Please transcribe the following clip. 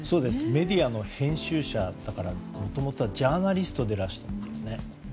メディアの編集者だからもともとはジャーナリストでいらしたという。